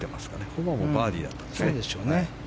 ホマもバーディーだったんですね。